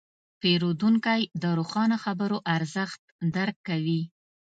پیرودونکی د روښانه خبرو ارزښت درک کوي.